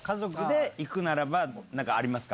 何かありますか？